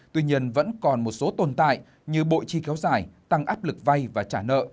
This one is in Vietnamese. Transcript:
tuy nhiên vẫn còn một số tồn tại như bộ chi kéo dài tăng áp lực vay và trả nợ